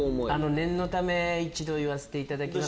念のため一度言わせていただきます。